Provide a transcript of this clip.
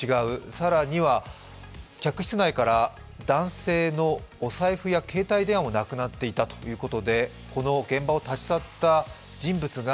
更には客室内から男性のお財布や携帯電話もなくなっていたということでこの現場を立ち去った人物が